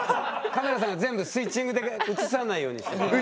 カメラさんが全部スイッチングで映さないようにしてるから。